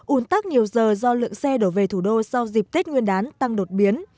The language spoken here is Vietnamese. ủn tắc nhiều giờ do lượng xe đổ về thủ đô sau dịp tết nguyên đán tăng đột biến